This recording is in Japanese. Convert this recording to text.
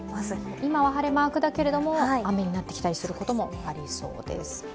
今は晴れマークだけれども、雨になってくる予報もありそうです。